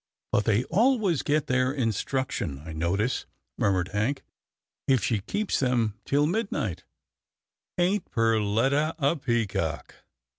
" But they always get their instruction, I notice," murmured Hank, "if she keeps them till midnight — ain't Perletta a peacock